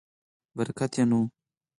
برکت یې نه و.